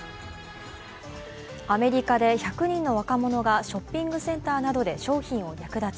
アメリカで１００人の若者がショッピングセンターなどで商品を略奪。